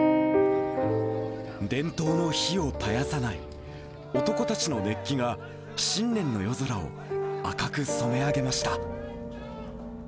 伝統の火を絶やさない、男たちの熱気が新年の夜空を赤く染め上げました。